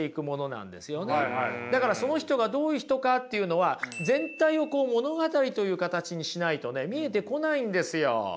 だからその人がどういう人かっていうのは全体を物語という形にしないとね見えてこないんですよ。